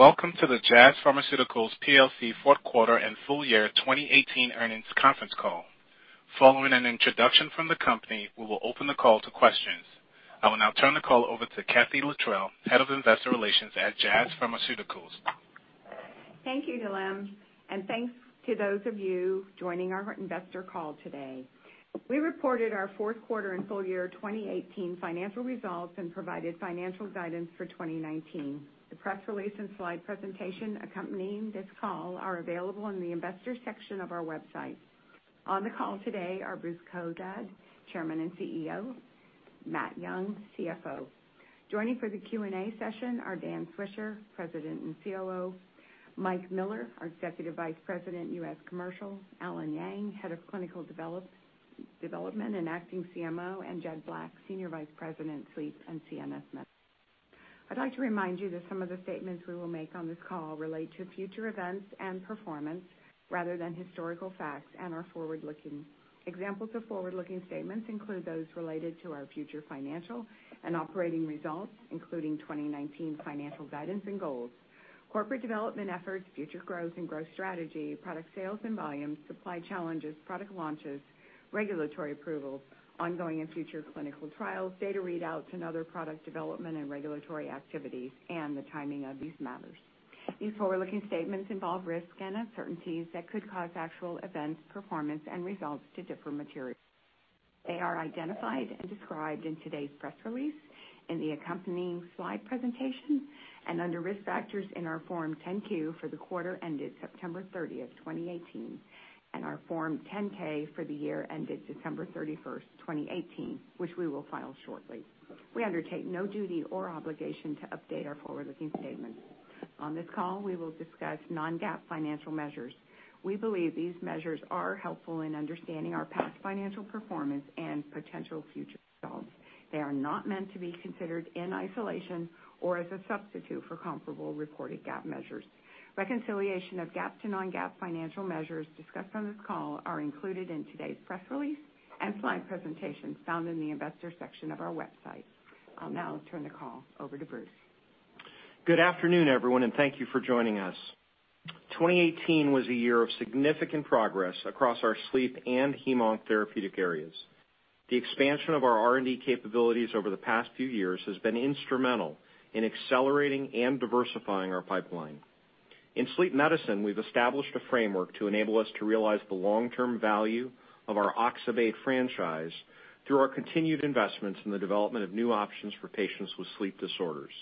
Welcome to the Jazz Pharmaceuticals plc fourth quarter and full year 2018 earnings conference call. Following an introduction from the company, we will open the call to questions. I will now turn the call over to Kathee Littrell, Head of Investor Relations at Jazz Pharmaceuticals. Thank you, Glenn, and thanks to those of you joining our investor call today. We reported our fourth quarter and full year 2018 financial results and provided financial guidance for 2019. The press release and slide presentation accompanying this call are available in the Investors section of our website. On the call today are Bruce Cozadd, Chairman and CEO, Matt Young, CFO. Joining for the Q&A session are Daniel Swisher, President and COO, Mike Miller, our Executive Vice President, U.S. Commercial, Allen Yang, Head of Clinical Development and Acting CMO, and Jed Black, Senior Vice President, Sleep and CNS Medicine. I'd like to remind you that some of the statements we will make on this call relate to future events and performance rather than historical facts and are forward-looking. Examples of forward-looking statements include those related to our future financial and operating results, including 2019 financial guidance and goals, corporate development efforts, future growth and growth strategy, product sales and volumes, supply challenges, product launches, regulatory approvals, ongoing and future clinical trials, data readouts, and other product development and regulatory activities, and the timing of these matters. These forward-looking statements involve risks and uncertainties that could cause actual events, performance and results to differ materially. They are identified and described in today's press release, in the accompanying slide presentation, and under Risk Factors in our Form 10-Q for the quarter ended September 30th, 2018, and our Form 10-K for the year ended December 31st, 2018, which we will file shortly. We undertake no duty or obligation to update our forward-looking statements. On this call, we will discuss Non-GAAP financial measures. We believe these measures are helpful in understanding our past financial performance and potential future results. They are not meant to be considered in isolation or as a substitute for comparable reported GAAP measures. Reconciliation of GAAP to Non-GAAP financial measures discussed on this call are included in today's press release and slide presentation found in the Investors section of our website. I'll now turn the call over to Bruce. Good afternoon, everyone, and thank you for joining us. 2018 was a year of significant progress across our sleep and hem-onc therapeutic areas. The expansion of our R&D capabilities over the past few years has been instrumental in accelerating and diversifying our pipeline. In sleep medicine, we've established a framework to enable us to realize the long-term value of our oxybate franchise through our continued investments in the development of new options for patients with sleep disorders.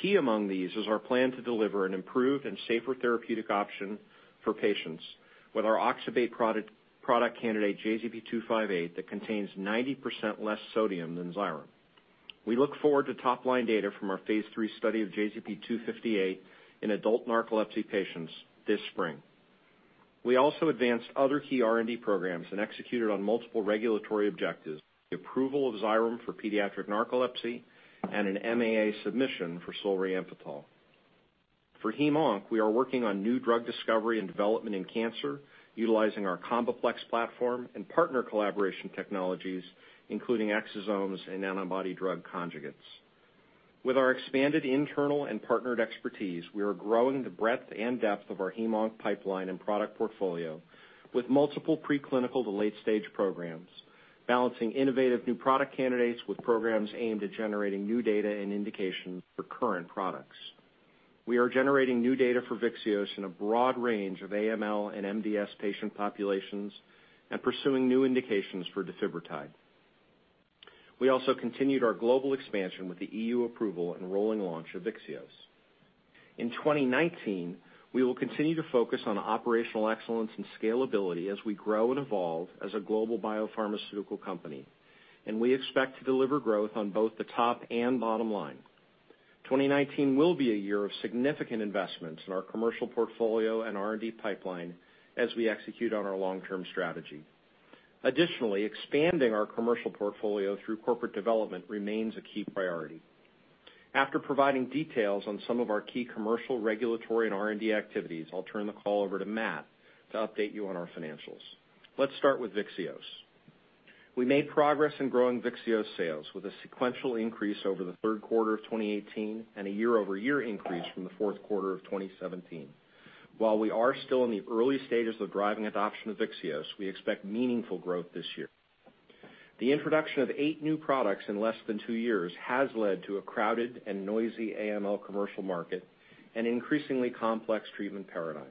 Key among these is our plan to deliver an improved and safer therapeutic option for patients with our oxybate product candidate JZP-258 that contains 90% less sodium than XYREM. We look forward to top-line data from our phase III study of JZP-258 in adult narcolepsy patients this spring. We also advanced other key R&D programs and executed on multiple regulatory objectives, the approval of XYREM for pediatric narcolepsy and an MAA submission for Solriamfetol. For hem-onc, we are working on new drug discovery and development in cancer utilizing our CombiPlex platform and partner collaboration technologies, including exosomes and antibody-drug conjugates. With our expanded internal and partnered expertise, we are growing the breadth and depth of our hem-onc pipeline and product portfolio with multiple pre-clinical to late-stage programs, balancing innovative new product candidates with programs aimed at generating new data and indications for current products. We are generating new data for VYXEOS in a broad range of AML and MDS patient populations and pursuing new indications for defibrotide. We also continued our global expansion with the EU approval and rolling launch of VYXEOS. In 2019, we will continue to focus on operational excellence and scalability as we grow and evolve as a global biopharmaceutical company, and we expect to deliver growth on both the top and bottom line. 2019 will be a year of significant investments in our commercial portfolio and R&D pipeline as we execute on our long-term strategy. Additionally, expanding our commercial portfolio through corporate development remains a key priority. After providing details on some of our key commercial, regulatory, and R&D activities, I'll turn the call over to Matt to update you on our financials. Let's start with VYXEOS. We made progress in growing VYXEOS sales with a sequential increase over the third quarter of 2018 and a year-over-year increase from the fourth quarter of 2017. While we are still in the early stages of driving adoption of VYXEOS, we expect meaningful growth this year. The introduction of eight new products in less than two years has led to a crowded and noisy AML commercial market and increasingly complex treatment paradigm.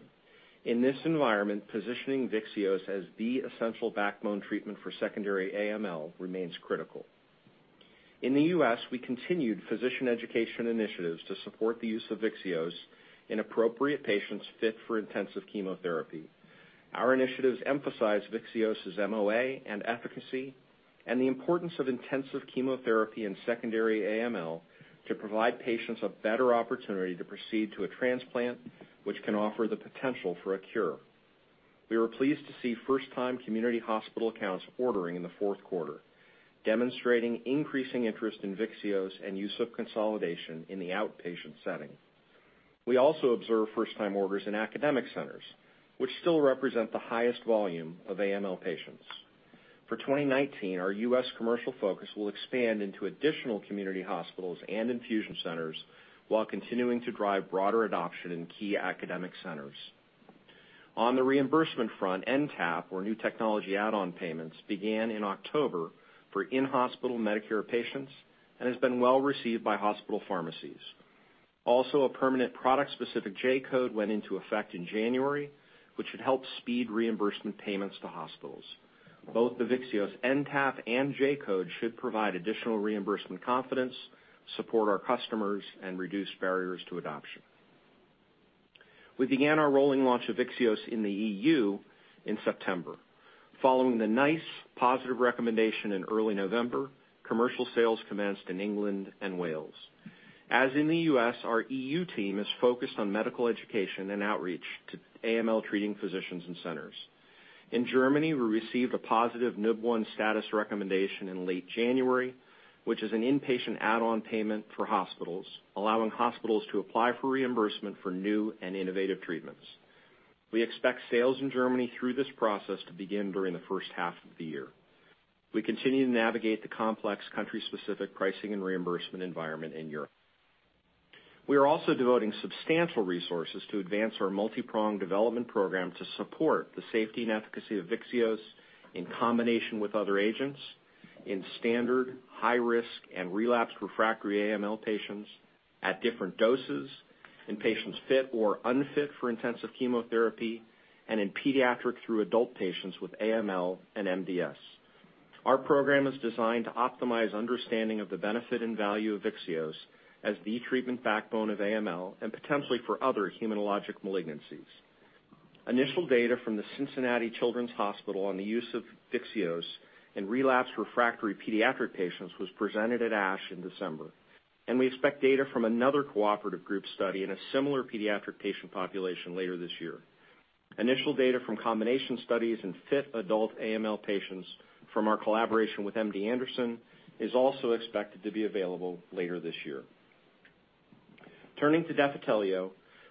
In this environment, positioning VYXEOS as the essential backbone treatment for secondary AML remains critical. In the U.S., we continued physician education initiatives to support the use of VYXEOS in appropriate patients fit for intensive chemotherapy. Our initiatives emphasize VYXEOS' MOA and efficacy and the importance of intensive chemotherapy in secondary AML to provide patients a better opportunity to proceed to a transplant which can offer the potential for a cure. We were pleased to see first-time community hospital accounts ordering in the fourth quarter, demonstrating increasing interest in VYXEOS and use of consolidation in the outpatient setting. We also observed first-time orders in academic centers, which still represent the highest volume of AML patients. For 2019, our U.S. commercial focus will expand into additional community hospitals and infusion centers while continuing to drive broader adoption in key academic centers. On the reimbursement front, NTAP, or new technology add-on payments, began in October for in-hospital Medicare patients and has been well-received by hospital pharmacies. Also, a permanent product-specific J-code went into effect in January, which should help speed reimbursement payments to hospitals. Both the VYXEOS NTAP and J-code should provide additional reimbursement confidence, support our customers, and reduce barriers to adoption. We began our rolling launch of VYXEOS in the E.U. in September. Following the NICE positive recommendation in early November, commercial sales commenced in England and Wales. As in the U.S., our E.U. team is focused on medical education and outreach to AML-treating physicians and centers. In Germany, we received a positive NUB I status recommendation in late January, which is an inpatient add-on payment for hospitals, allowing hospitals to apply for reimbursement for new and innovative treatments. We expect sales in Germany through this process to begin during the first half of the year. We continue to navigate the complex country-specific pricing and reimbursement environment in Europe. We are also devoting substantial resources to advance our multipronged development program to support the safety and efficacy of VYXEOS in combination with other agents in standard, high risk, and relapsed refractory AML patients at different doses, in patients fit or unfit for intensive chemotherapy, and in pediatric through adult patients with AML and MDS. Our program is designed to optimize understanding of the benefit and value of VYXEOS as the treatment backbone of AML and potentially for other hematologic malignancies. Initial data from the Cincinnati Children's Hospital on the use of VYXEOS in relapsed refractory pediatric patients was presented at ASH in December, and we expect data from another cooperative group study in a similar pediatric patient population later this year. Initial data from combination studies in fit adult AML patients from our collaboration with MD Anderson is also expected to be available later this year. Turning to Defitelio,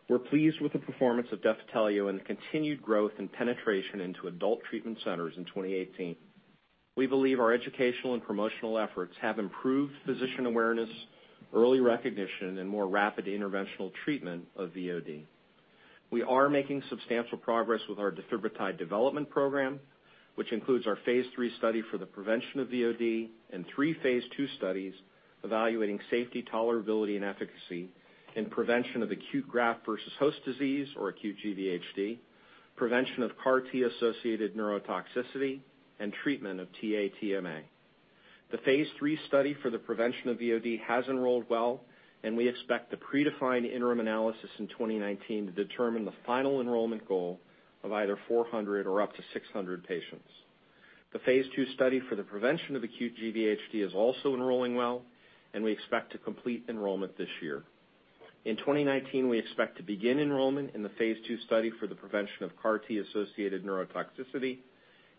we're pleased with the performance of Defitelio and the continued growth and penetration into adult treatment centers in 2018. We believe our educational and promotional efforts have improved physician awareness, early recognition, and more rapid interventional treatment of VOD. We are making substantial progress with our defibrotide development program, which includes our phase III study for the prevention of VOD and three phase II studies evaluating safety, tolerability, and efficacy in prevention of acute graft-versus-host disease or acute GvHD, prevention of CAR T-associated neurotoxicity, and treatment of TA-TMA. The phase III study for the prevention of VOD has enrolled well, and we expect the predefined interim analysis in 2019 to determine the final enrollment goal of either 400 or up to 600 patients. The phase II study for the prevention of acute GvHD is also enrolling well, and we expect to complete enrollment this year. In 2019, we expect to begin enrollment in the phase II study for the prevention of CAR T-associated neurotoxicity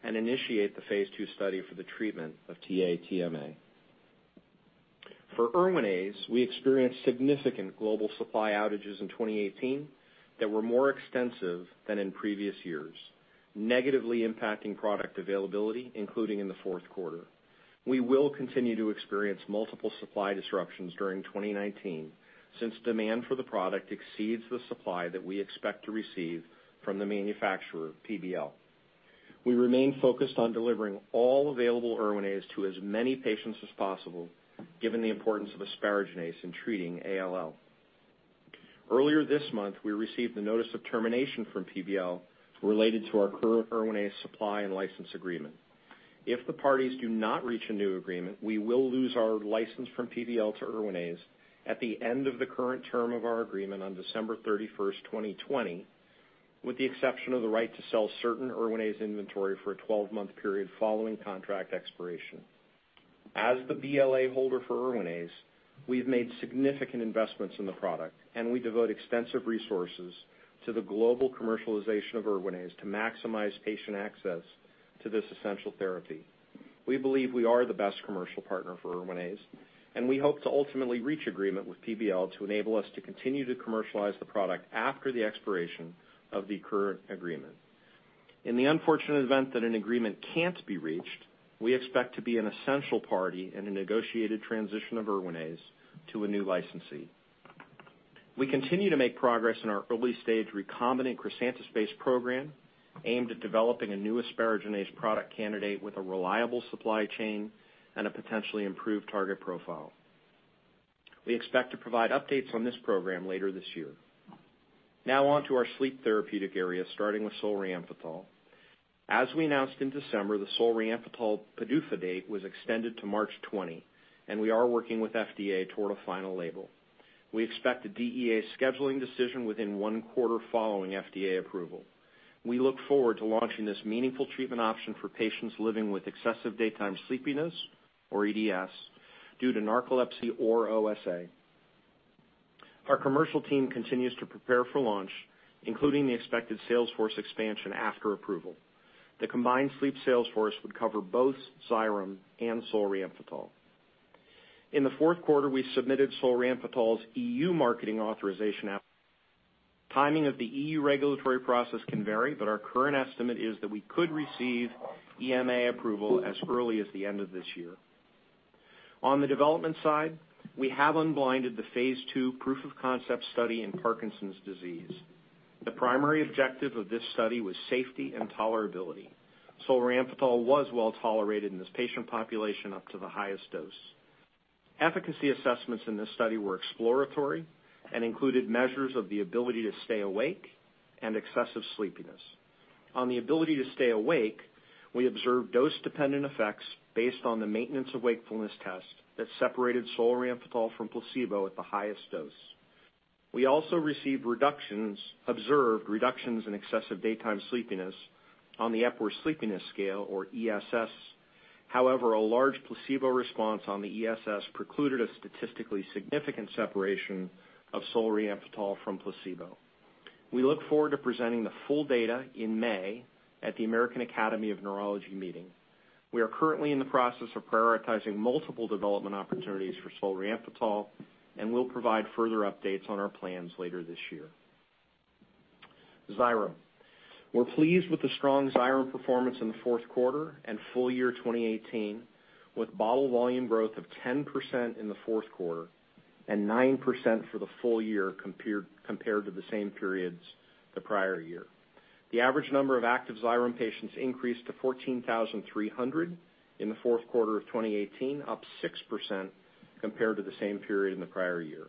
and initiate the phase II study for the treatment of TA-TMA. For Erwinaze, we experienced significant global supply outages in 2018 that were more extensive than in previous years, negatively impacting product availability, including in the fourth quarter. We will continue to experience multiple supply disruptions during 2019 since demand for the product exceeds the supply that we expect to receive from the manufacturer, PBL. We remain focused on delivering all available Erwinaze to as many patients as possible given the importance of asparaginase in treating ALL. Earlier this month, we received the notice of termination from PBL related to our current Erwinaze supply and license agreement. If the parties do not reach a new agreement, we will lose our license from PBL to Erwinaze at the end of the current term of our agreement on December 31st, 2020, with the exception of the right to sell certain Erwinaze inventory for a 12-month period following contract expiration. As the BLA holder for Erwinaze, we've made significant investments in the product, and we devote extensive resources to the global commercialization of Erwinaze to maximize patient access to this essential therapy. We believe we are the best commercial partner for Erwinaze, and we hope to ultimately reach agreement with PBL to enable us to continue to commercialize the product after the expiration of the current agreement. In the unfortunate event that an agreement can't be reached, we expect to be an essential party in a negotiated transition of Erwinaze to a new licensee. We continue to make progress in our early-stage recombinant crisantaspase-based program aimed at developing a new asparaginase product candidate with a reliable supply chain and a potentially improved target profile. We expect to provide updates on this program later this year. Now on to our sleep therapeutic area, starting with Solriamfetol. As we announced in December, the Solriamfetol PDUFA date was extended to March 20, and we are working with FDA toward a final label. We expect a DEA scheduling decision within one quarter following FDA approval. We look forward to launching this meaningful treatment option for patients living with excessive daytime sleepiness or EDS due to narcolepsy or OSA. Our commercial team continues to prepare for launch, including the expected salesforce expansion after approval. The combined sleep salesforce would cover both XYREM and Solriamfetol. In the fourth quarter, we submitted Solriamfetol's EU marketing authorization application. Timing of the EU regulatory process can vary, but our current estimate is that we could receive EMA approval as early as the end of this year. On the development side, we have unblinded the phase II proof of concept study in Parkinson's disease. The primary objective of this study was safety and tolerability. Solriamfetol was well-tolerated in this patient population up to the highest dose. Efficacy assessments in this study were exploratory and included measures of the ability to stay awake and excessive sleepiness. On the ability to stay awake, we observed dose-dependent effects based on the Maintenance of Wakefulness Test that separated Solriamfetol from placebo at the highest dose. We also observed reductions in excessive daytime sleepiness on the Epworth Sleepiness Scale, or ESS. However, a large placebo response on the ESS precluded a statistically significant separation of Solriamfetol from placebo. We look forward to presenting the full data in May at the American Academy of Neurology meeting. We are currently in the process of prioritizing multiple development opportunities for Solriamfetol, and we'll provide further updates on our plans later this year. XYREM. We're pleased with the strong XYREM performance in the fourth quarter and full year 2018, with bottle volume growth of 10% in the fourth quarter and 9% for the full year compared to the same periods the prior year. The average number of active XYREM patients increased to 14,300 in the fourth quarter of 2018, up 6% compared to the same period in the prior year.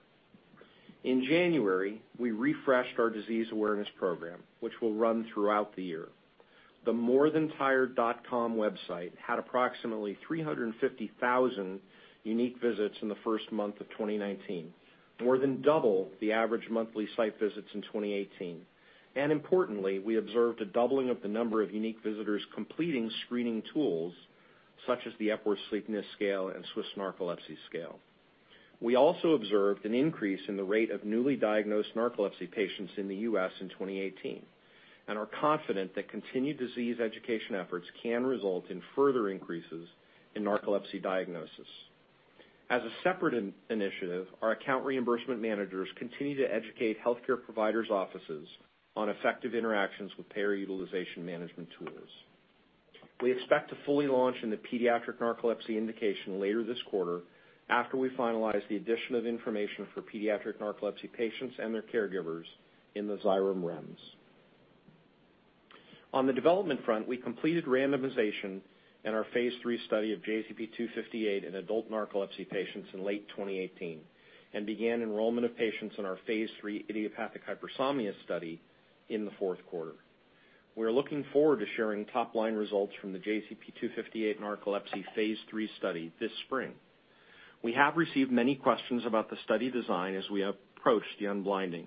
In January, we refreshed our disease awareness program, which will run throughout the year. The morethantired.com website had approximately 350,000 unique visits in the first month of 2019, more than double the average monthly site visits in 2018. Importantly, we observed a doubling of the number of unique visitors completing screening tools such as the Epworth Sleepiness Scale and Swiss Narcolepsy Scale. We also observed an increase in the rate of newly diagnosed narcolepsy patients in the U.S. in 2018 and are confident that continued disease education efforts can result in further increases in narcolepsy diagnosis. As a separate initiative, our account reimbursement managers continue to educate healthcare providers' offices on effective interactions with payer utilization management tools. We expect to fully launch in the pediatric narcolepsy indication later this quarter after we finalize the addition of information for pediatric narcolepsy patients and their caregivers in the XYREM REMS. On the development front, we completed randomization in our phase III study of JZP-258 in adult narcolepsy patients in late 2018 and began enrollment of patients in our phase III idiopathic hypersomnia study in the fourth quarter. We are looking forward to sharing top-line results from the JZP-258 narcolepsy phase III study this spring. We have received many questions about the study design as we approach the unblinding.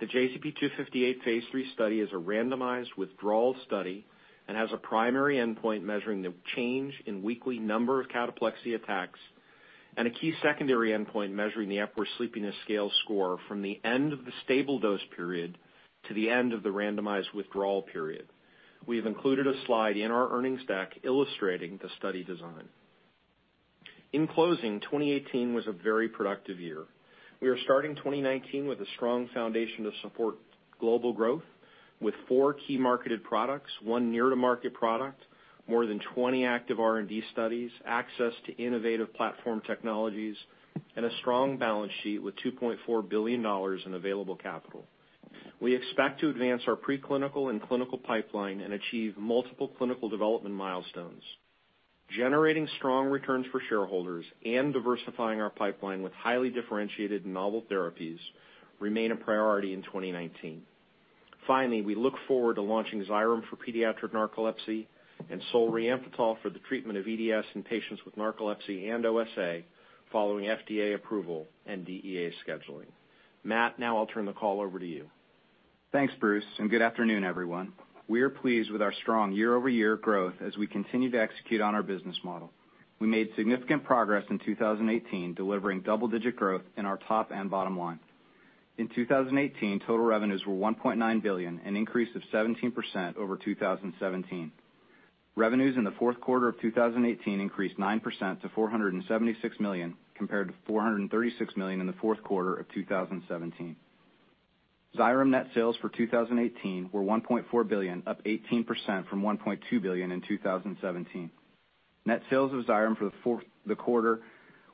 The JZP-258 phase III study is a randomized withdrawal study and has a primary endpoint measuring the change in weekly number of cataplexy attacks and a key secondary endpoint measuring the Epworth Sleepiness Scale score from the end of the stable dose period to the end of the randomized withdrawal period. We have included a slide in our earnings deck illustrating the study design. In closing, 2018 was a very productive year. We are starting 2019 with a strong foundation to support global growth with four key marketed products, one near-to-market product, more than 20 active R&D studies, access to innovative platform technologies, and a strong balance sheet with $2.4 billion in available capital. We expect to advance our preclinical and clinical pipeline and achieve multiple clinical development milestones. Generating strong returns for shareholders and diversifying our pipeline with highly differentiated novel therapies remain a priority in 2019. Finally, we look forward to launching XYREM for pediatric narcolepsy and Solriamfetol for the treatment of EDS in patients with narcolepsy and OSA following FDA approval and DEA scheduling. Matt, now I'll turn the call over to you. Thanks, Bruce, and good afternoon, everyone. We are pleased with our strong year-over-year growth as we continue to execute on our business model. We made significant progress in 2018, delivering double-digit growth in our top and bottom line. In 2018, total revenues were $1.9 billion, an increase of 17% over 2017. Revenues in the fourth quarter of 2018 increased 9% to $476 million, compared to $436 million in the fourth quarter of 2017. XYREM net sales for 2018 were $1.4 billion, up 18% from $1.2 billion in 2017. Net sales of XYREM for the quarter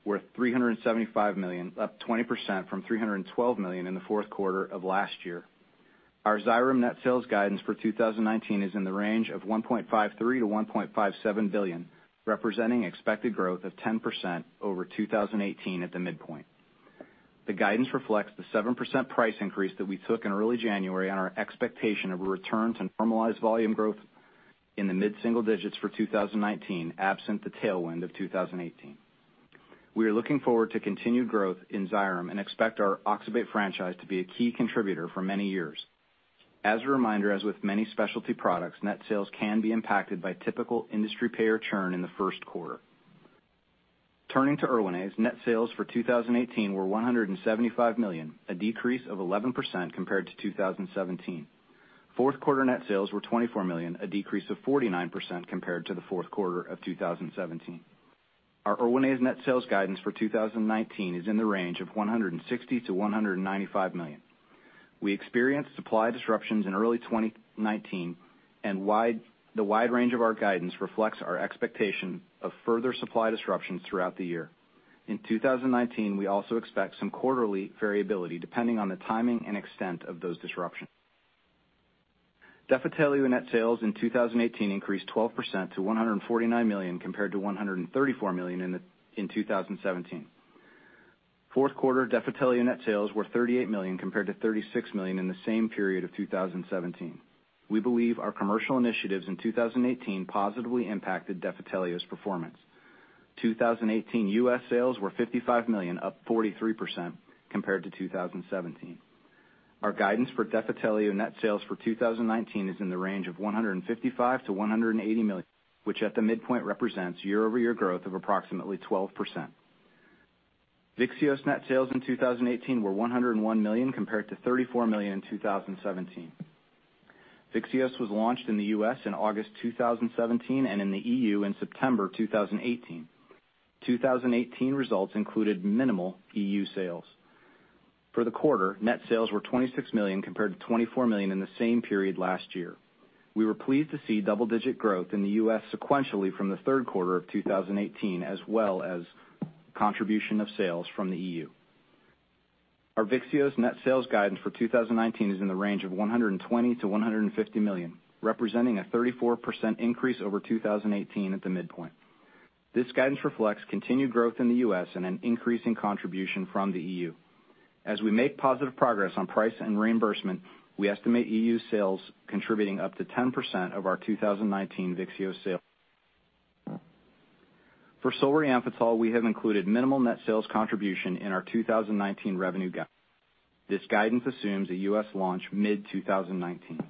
were $375 million, up 20% from $312 million in the fourth quarter of last year. Our XYREM net sales guidance for 2019 is in the range of $1.53 billion-$1.57 billion, representing expected growth of 10% over 2018 at the midpoint. The guidance reflects the 7% price increase that we took in early January on our expectation of a return to formalized volume growth in the mid-single digits for 2019, absent the tailwind of 2018. We are looking forward to continued growth in XYREM and expect our oxybate franchise to be a key contributor for many years. As a reminder, as with many specialty products, net sales can be impacted by typical industry payer churn in the first quarter. Turning to Erwinaze, net sales for 2018 were $175 million, a decrease of 11% compared to 2017. Fourth quarter net sales were $24 million, a decrease of 49% compared to the fourth quarter of 2017. Our Erwinaze net sales guidance for 2019 is in the range of $160 million-$195 million. We experienced supply disruptions in early 2019 and the wide range of our guidance reflects our expectation of further supply disruptions throughout the year. In 2019, we also expect some quarterly variability, depending on the timing and extent of those disruptions. Defitelio net sales in 2018 increased 12% to $149 million compared to $134 million in 2017. Fourth quarter Defitelio net sales were $38 million compared to $36 million in the same period of 2017. We believe our commercial initiatives in 2018 positively impacted Defitelio's performance. 2018 U.S. sales were $55 million, up 43% compared to 2017. Our guidance for Defitelio net sales for 2019 is in the range of $155 million-$180 million, which at the midpoint represents year-over-year growth of approximately 12%. VYXEOS net sales in 2018 were $101 million compared to $34 million in 2017. VYXEOS was launched in the U.S. in August 2017 and in the EU in September 2018. 2018 results included minimal EU sales. For the quarter, net sales were $26 million compared to $24 million in the same period last year. We were pleased to see double-digit growth in the U.S. sequentially from the third quarter of 2018, as well as contribution of sales from the EU. Our VYXEOS net sales guidance for 2019 is in the range of $120 million-$150 million, representing a 34% increase over 2018 at the midpoint. This guidance reflects continued growth in the US and an increasing contribution from the EU. As we make positive progress on price and reimbursement, we estimate EU sales contributing up to 10% of our 2019 VYXEOS sales. For Solriamfetol, we have included minimal net sales contribution in our 2019 revenue guide. This guidance assumes a U.S. launch mid-2019.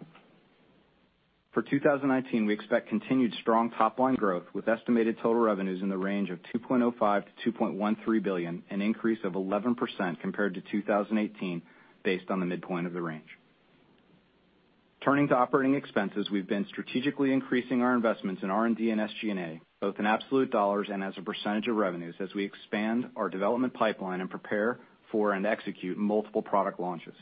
For 2019, we expect continued strong top line growth with estimated total revenues in the range of $2.05-$2.13 billion, an increase of 11% compared to 2018 based on the midpoint of the range. Turning to operating expenses, we've been strategically increasing our investments in R&D and SG&A, both in absolute dollars and as a percentage of revenues as we expand our development pipeline and prepare for and execute multiple product launches.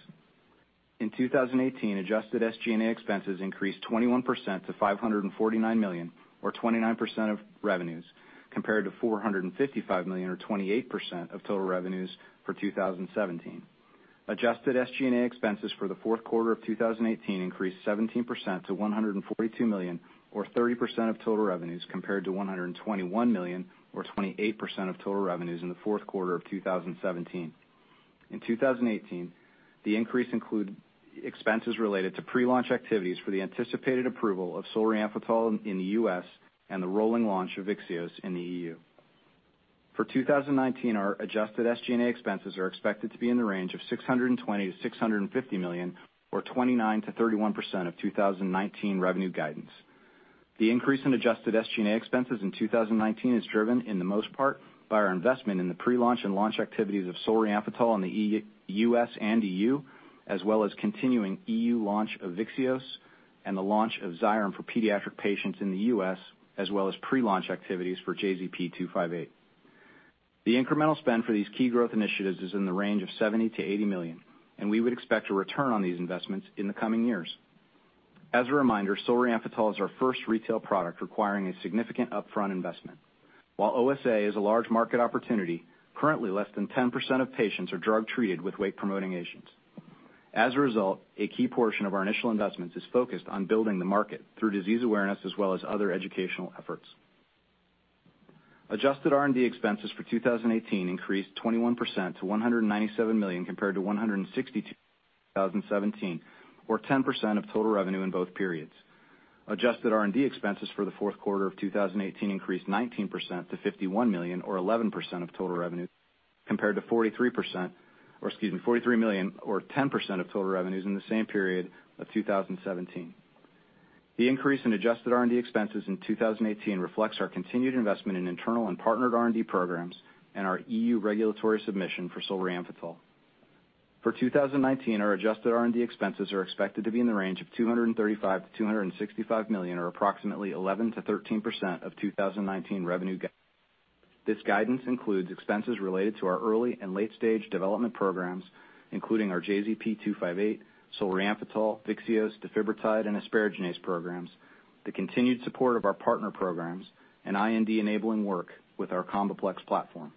In 2018, adjusted SG&A expenses increased 21% to $549 million or 29% of revenues compared to $455 million or 28% of total revenues for 2017. Adjusted SG&A expenses for the fourth quarter of 2018 increased 17% to $142 million or 30% of total revenues compared to $121 million or 28% of total revenues in the fourth quarter of 2017. In 2018, the increase included expenses related to pre-launch activities for the anticipated approval of Solriamfetol in the U.S. and the rolling launch of VYXEOS in the EU. For 2019, our adjusted SG&A expenses are expected to be in the range of $620 million-$650 million or 29%-31% of 2019 revenue guidance. The increase in adjusted SG&A expenses in 2019 is driven in the most part by our investment in the pre-launch and launch activities of Solriamfetol in the ex-US and EU, as well as continuing EU launch of VYXEOS and the launch of XYREM for pediatric patients in the U.S., as well as pre-launch activities for JZP-258. The incremental spend for these key growth initiatives is in the range of $70 million-$80 million, and we would expect a return on these investments in the coming years. As a reminder, Solriamfetol is our first retail product requiring a significant upfront investment. While OSA is a large market opportunity, currently less than 10% of patients are drug-treated with wake-promoting agents. As a result, a key portion of our initial investments is focused on building the market through disease awareness as well as other educational efforts. Adjusted R&D expenses for 2018 increased 21% to $197 million compared to $162 million in 2017, or 10% of total revenue in both periods. Adjusted R&D expenses for the fourth quarter of 2018 increased 19% to $51 million or 11% of total revenue compared to $43 million or 10% of total revenues in the same period of 2017. The increase in adjusted R&D expenses in 2018 reflects our continued investment in internal and partnered R&D programs and our EU regulatory submission for Solriamfetol. For 2019, our adjusted R&D expenses are expected to be in the range of $235 million-$265 million, or approximately 11%-13% of 2019 revenue. This guidance includes expenses related to our early and late-stage development programs, including our JZP-258, Solriamfetol, VYXEOS, defibrotide, and asparaginase programs, the continued support of our partner programs, and IND-enabling work with our CombiPlex platform.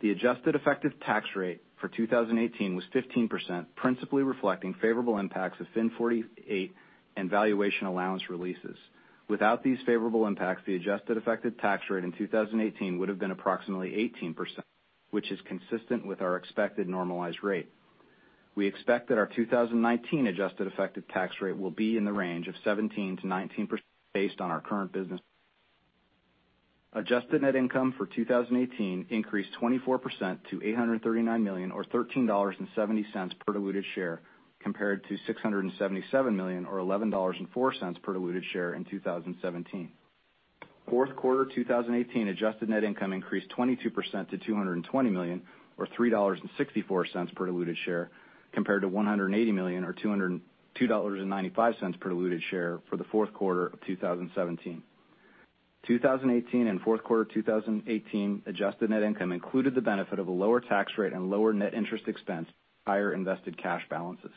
The adjusted effective tax rate for 2018 was 15%, principally reflecting favorable impacts of FIN 48 and valuation allowance releases. Without these favorable impacts, the adjusted effective tax rate in 2018 would have been approximately 18%, which is consistent with our expected normalized rate. We expect that our 2019 adjusted effective tax rate will be in the range of 17%-19% based on our current business. Adjusted net income for 2018 increased 24% to $839 million or $13.70 per diluted share, compared to $677 million or $11.04 per diluted share in 2017. Fourth quarter 2018 adjusted net income increased 22% to $220 million or $3.64 per diluted share, compared to $180 million or $2.95 per diluted share for the fourth quarter of 2017. 2018 and fourth quarter 2018 adjusted net income included the benefit of a lower tax rate and lower net interest expense, higher invested cash balances.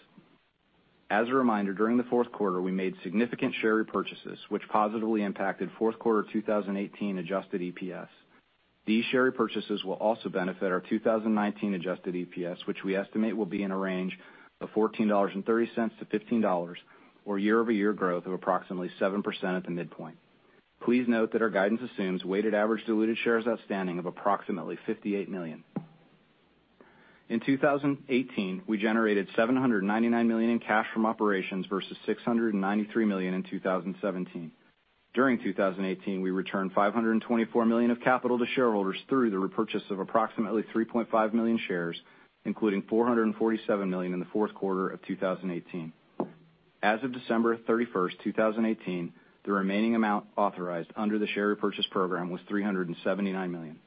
As a reminder, during the fourth quarter, we made significant share repurchases, which positively impacted fourth quarter 2018 adjusted EPS. These share purchases will also benefit our 2019 adjusted EPS, which we estimate will be in a range of $14.30-$15, or year-over-year growth of approximately 7% at the midpoint. Please note that our guidance assumes weighted average diluted shares outstanding of approximately 58 million. In 2018, we generated $799 million in cash from operations versus $693 million in 2017. During 2018, we returned $524 million of capital to shareholders through the repurchase of approximately 3.5 million shares, including $447 million in the fourth quarter of 2018. As of December 31st, 2018, the remaining amount authorized under the share repurchase program was $379 million.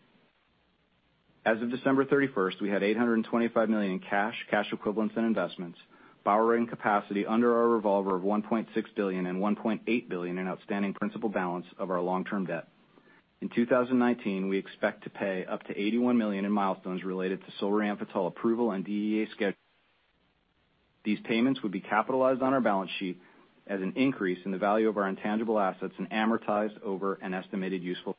As of December 31st, we had $825 million in cash equivalents, and investments, borrowing capacity under our revolver of $1.6 billion and $1.8 billion in outstanding principal balance of our long-term debt. In 2019, we expect to pay up to $81 million in milestones related to Solriamfetol approval and DEA scheduling. These payments would be capitalized on our balance sheet as an increase in the value of our intangible assets and amortized over an estimated useful.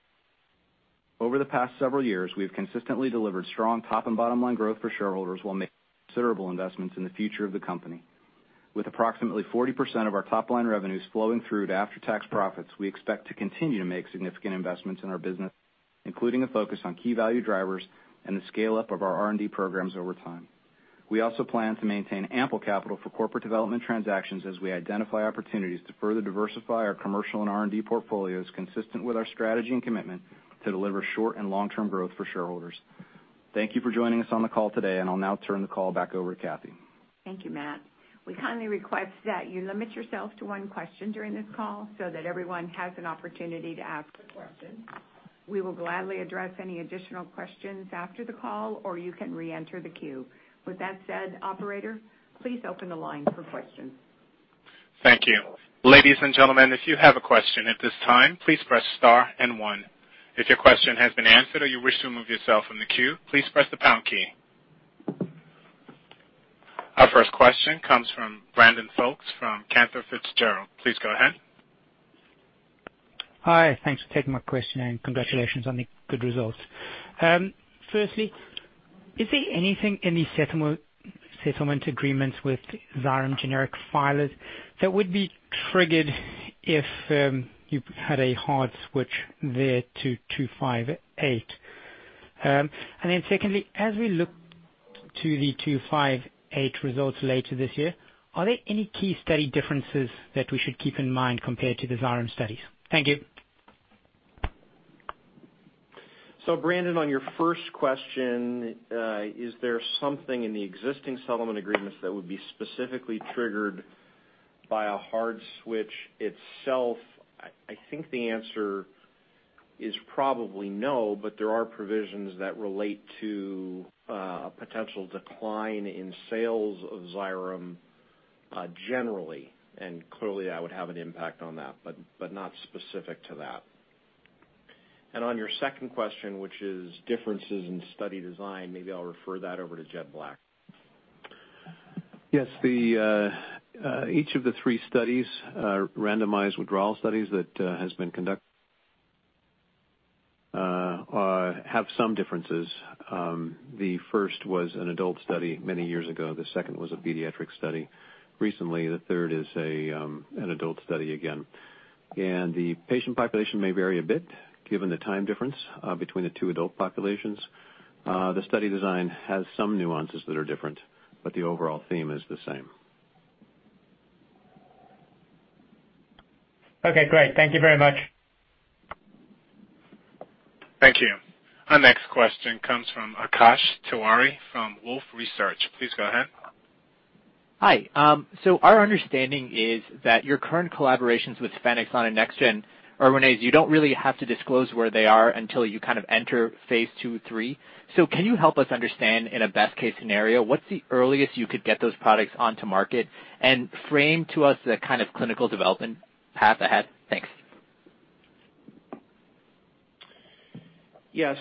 Over the past several years, we have consistently delivered strong top and bottom line growth for shareholders while making considerable investments in the future of the company. With approximately 40% of our top line revenues flowing through to after-tax profits, we expect to continue to make significant investments in our business, including a focus on key value drivers and the scale-up of our R&D programs over time. We also plan to maintain ample capital for corporate development transactions as we identify opportunities to further diversify our commercial and R&D portfolios consistent with our strategy and commitment to deliver short and long-term growth for shareholders. Thank you for joining us on the call today, and I'll now turn the call back over to Kathee. Thank you, Matt. We kindly request that you limit yourself to one question during this call so that everyone has an opportunity to ask a question. We will gladly address any additional questions after the call, or you can reenter the queue. With that said, operator, please open the line for questions. Thank you. Ladies and gentlemen, if you have a question at this time, please press star and one. If your question has been answered or you wish to remove yourself from the queue, please press the pound key. Our first question comes from Brandon Folkes from Cantor Fitzgerald. Please go ahead. Hi. Thanks for taking my question, and congratulations on the good results. Firstly, is there anything in the settlement agreements with XYREM generic filers that would be triggered if you had a hard switch there to 258? Secondly, as we look to the 258 results later this year, are there any key study differences that we should keep in mind compared to the XYREM studies? Thank you. Brandon, on your first question, is there something in the existing settlement agreements that would be specifically triggered by a hard switch itself? I think the answer is probably no, but there are provisions that relate to a potential decline in sales of XYREM, generally, and clearly that would have an impact on that, but not specific to that. On your second question, which is differences in study design, maybe I'll refer that over to Jed Black. Yes. Each of the three randomized withdrawal studies that have been conducted have some differences. The first was an adult study many years ago. The second was a pediatric study recently. The third is an adult study again. The patient population may vary a bit given the time difference between the two adult populations. The study design has some nuances that are different, but the overall theme is the same. Okay, great. Thank you very much. Thank you. Our next question comes from Akash Tewari from Wolfe Research. Please go ahead. Hi. Our understanding is that your current collaborations with Spanx on a next gen Erwinaze, you don't really have to disclose where they are until you kind of enter phase II, III. Can you help us understand, in a best-case scenario, what's the earliest you could get those products onto market? Frame to us the kind of clinical development path ahead. Thanks. Yeah.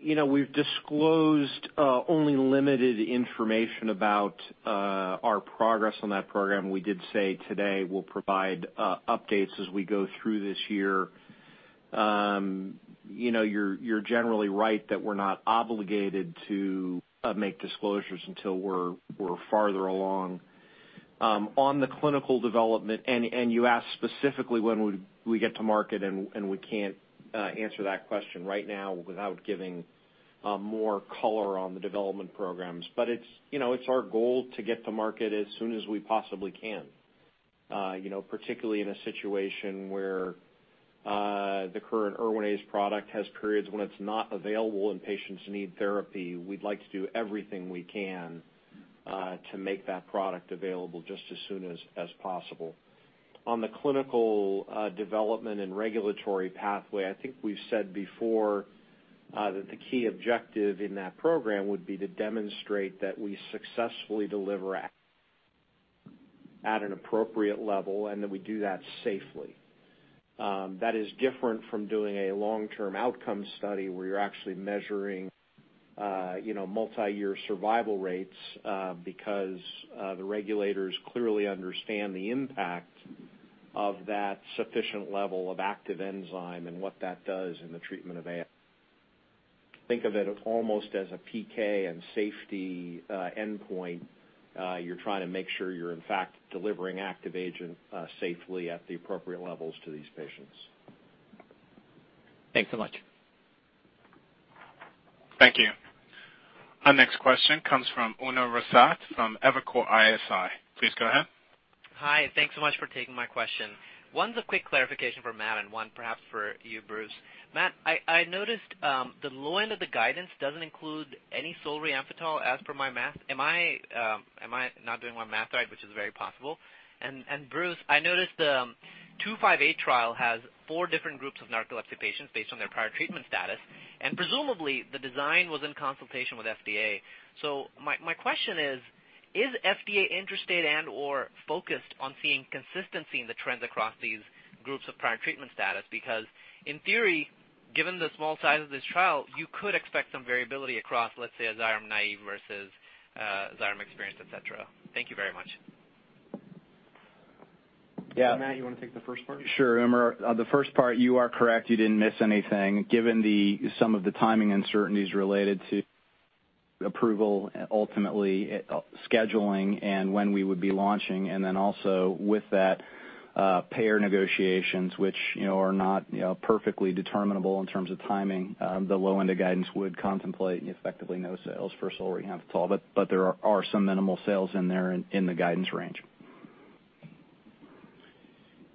You know, we've disclosed only limited information about our progress on that program. We did say today we'll provide updates as we go through this year. You know, you're generally right that we're not obligated to make disclosures until we're farther along. On the clinical development, you asked specifically when we would get to market, and we can't answer that question right now without giving more color on the development programs. But it's our goal to get to market as soon as we possibly can. You know, particularly in a situation where the current Erwinaze product has periods when it's not available and patients need therapy, we'd like to do everything we can to make that product available just as soon as possible. On the clinical development and regulatory pathway, I think we've said before that the key objective in that program would be to demonstrate that we successfully deliver ac- At an appropriate level, and that we do that safely. That is different from doing a long-term outcome study where you're actually measuring, you know, multiyear survival rates, because the regulators clearly understand the impact of that sufficient level of active enzyme and what that does in the treatment of. Think of it almost as a PK and safety endpoint. You're trying to make sure you're, in fact, delivering active agent safely at the appropriate levels to these patients. Thanks so much. Thank you. Our next question comes from Umer Raffat from Evercore ISI. Please go ahead. Hi. Thanks so much for taking my question. One's a quick clarification for Matt and one perhaps for you, Bruce. Matt, I noticed the low end of the guidance doesn't include any solriamfetol as per my math. Am I not doing my math right, which is very possible? Bruce, I noticed the 258 trial has 4 different groups of narcolepsy patients based on their prior treatment status. Presumably, the design was in consultation with FDA. My question is FDA interested and/or focused on seeing consistency in the trends across these groups of prior treatment status? Because in theory, given the small size of this trial, you could expect some variability across, let's say, a XYREM naive versus XYREM experienced, et cetera. Thank you very much. Yeah. Matt, you wanna take the first part? Sure, Umer. The first part, you are correct. You didn't miss anything. Given some of the timing uncertainties related to approval, ultimately scheduling and when we would be launching. Then also with that, payer negotiations, which, you know, are not, you know, perfectly determinable in terms of timing, the low end of guidance would contemplate effectively no sales for solriamfetol. But there are some minimal sales in there in the guidance range.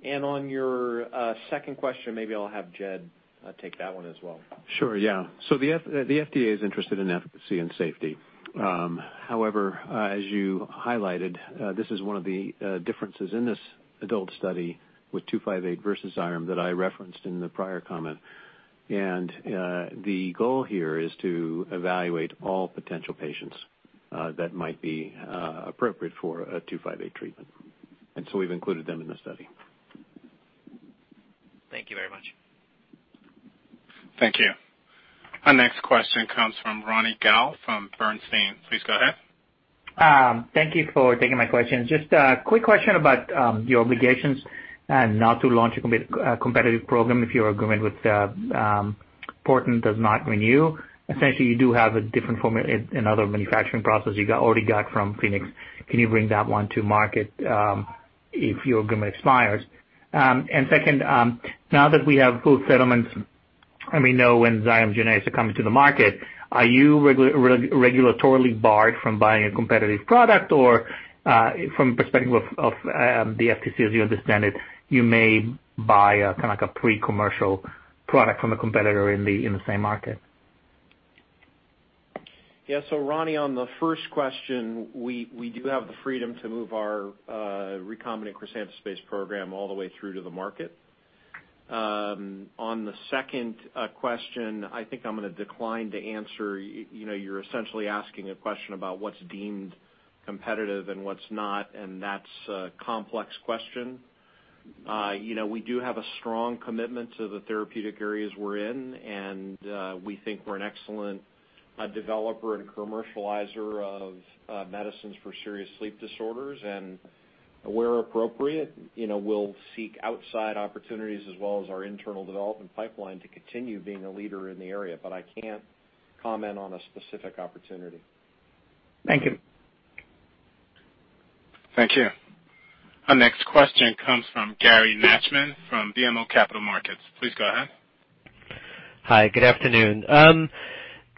On your second question, maybe I'll have Jed take that one as well. Sure, yeah. The FDA is interested in efficacy and safety. However, as you highlighted, this is one of the differences in this adult study with two five eight versus XYREM that I referenced in the prior comment. The goal here is to evaluate all potential patients that might be appropriate for a two five eight treatment. We've included them in the study. Thank you very much. Thank you. Our next question comes from Ronny Gal from Bernstein. Please go ahead. Thank you for taking my question. Just a quick question about your obligations and not to launch a competitive program if your agreement with Porton does not renew. Essentially, you do have a different formula and other manufacturing process you already got from Phoenix. Can you bring that one to market if your agreement expires? And second, now that we have both settlements and we know when XYREM generics are coming to the market, are you regulatorily barred from buying a competitive product? Or, from perspective of the FTC as you understand it, you may buy a kind of like a pre-commercial product from a competitor in the same market. Yeah. Ronny, on the first question, we do have the freedom to move our recombinant crisantaspase-based program all the way through to the market. On the second question, I think I'm gonna decline to answer. You know, you're essentially asking a question about what's deemed competitive and what's not, and that's a complex question. You know, we do have a strong commitment to the therapeutic areas we're in, and we think we're an excellent developer and commercializer of medicines for serious sleep disorders. Where appropriate, you know, we'll seek outside opportunities as well as our internal development pipeline to continue being a leader in the area, but I can't comment on a specific opportunity. Thank you. Thank you. Our next question comes from Gary Nachman from BMO Capital Markets. Please go ahead. Hi, good afternoon.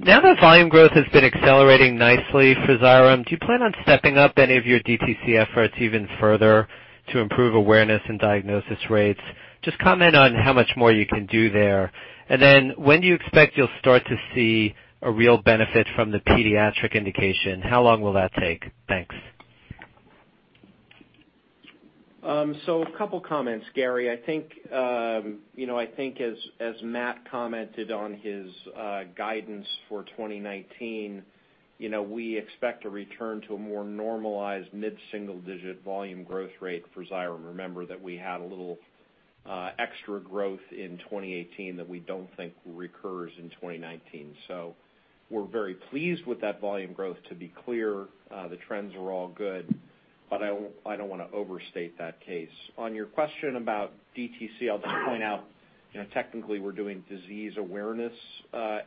Now that volume growth has been accelerating nicely for XYREM, do you plan on stepping up any of your DTC efforts even further to improve awareness and diagnosis rates? Just comment on how much more you can do there. When do you expect you'll start to see a real benefit from the pediatric indication? How long will that take? Thanks. A couple comments, Gary. I think you know, I think as Matt commented on his guidance for 2019, you know, we expect to return to a more normalized mid-single-digit volume growth rate for XYREM. Remember that we had a little extra growth in 2018 that we don't think recurs in 2019. We're very pleased with that volume growth. To be clear, the trends are all good, but I don't wanna overstate that case. On your question about DTC, I'll just point out, you know, technically we're doing disease awareness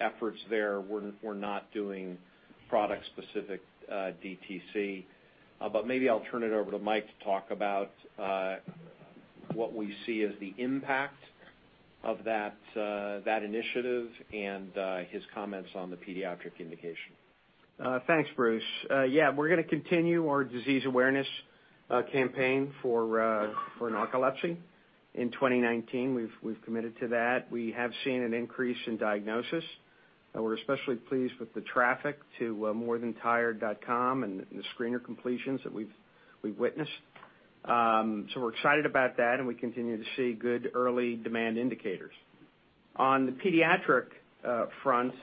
efforts there. We're not doing product-specific DTC. But maybe I'll turn it over to Mike to talk about what we see as the impact of that initiative and his comments on the pediatric indication. Thanks, Bruce. Yeah, we're gonna continue our disease awareness campaign for narcolepsy in 2019. We've committed to that. We have seen an increase in diagnosis, and we're especially pleased with the traffic to morethantired.com and the screener completions that we've witnessed. We're excited about that, and we continue to see good early demand indicators. On the pediatric front,